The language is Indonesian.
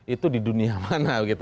itu di dunia mana